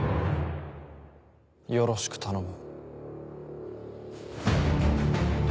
よろしく頼む。